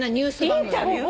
インタビュー！？